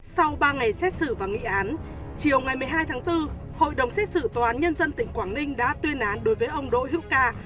sau ba ngày xét xử và nghị án chiều ngày một mươi hai tháng bốn hội đồng xét xử tòa án nhân dân tỉnh quảng ninh đã tuyên án đối với ông đỗ hữu ca